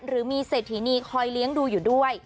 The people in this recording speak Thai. หรือมีเศรษฐีนีคอยเลี้ยงดูอยู่ด้วย